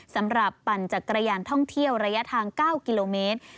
สำหรับปั่นจากกระยานท่องเที่ยวระยะทาง๙กิโลเมตร